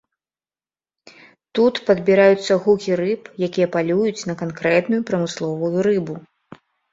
Тут падбіраюцца гукі рыб, якія палююць на канкрэтную прамысловую рыбу.